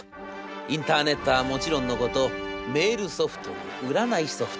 インターネットはもちろんのことメールソフトに占いソフト。